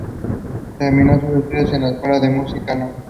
Terminó sus estudios en la escuela de música No.